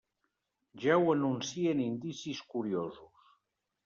Ja ho anuncien indicis curiosos.